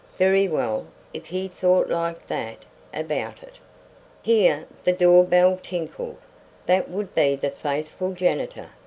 Very well; if he thought like that about it. Here the doorbell tinkled. That would be the faithful janitor.